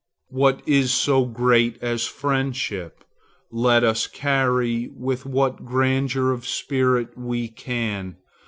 What is so great as friendship, let us carry with what grandeur of spirit we can.